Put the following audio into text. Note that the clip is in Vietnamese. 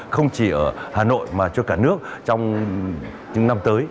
không chỉ ở hà nội mà cho cả nước trong những năm tới